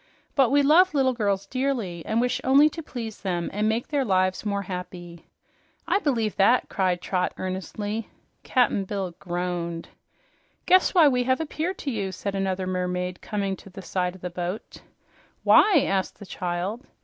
But we love little girls dearly and wish only to please them and make their lives more happy." "I believe that!" cried Trot earnestly. Cap'n Bill groaned. "Guess why we have appeared to you," said another mermaid, coming to the side of the boat. "Why?" asked the child.